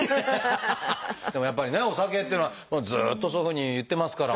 でもやっぱりねお酒っていうのはずっとそういうふうに言ってますから。